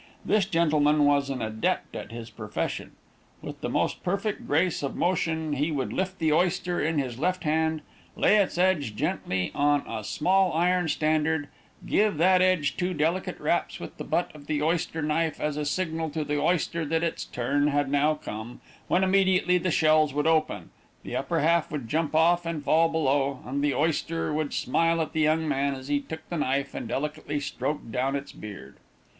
This gentleman was an adept at his profession. With the most perfect grace of motion, he would lift the oyster in his left hand, lay its edge gently on a small iron standard, give that edge two delicate raps with the butt of the oyster knife as a signal to the oyster that its turn had now come, when immediately the shells would open, the upper half would jump off and fall below, and the oyster would smile at the young man as he took the knife, and delicately stroked down its beard.